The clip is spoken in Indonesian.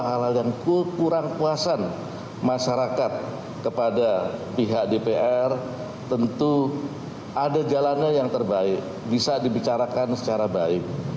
hal hal yang kekurang kuasan masyarakat kepada pihak dpr tentu ada jalannya yang terbaik bisa dibicarakan secara baik